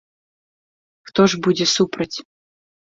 Хто ж будзе супраць?!